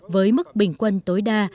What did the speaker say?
với mức bình quân tối đa